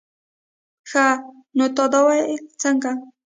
ښه نو تا ويل څنگه.